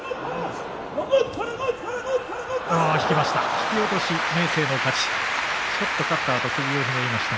引きました。